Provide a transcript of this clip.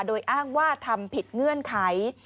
โดยอ้างว่าทำผิดเงื่อนไข